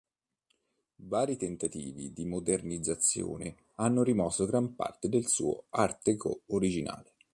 Vari tentativi di modernizzazione hanno rimosso gran parte del suo Art déco originale.